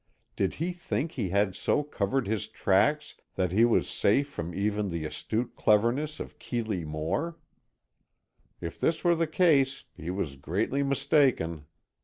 Did he think he had so covered his tracks that he was safe from even the astute cleverness of Keeley Moore? If this were the case, he was greatly mistaken.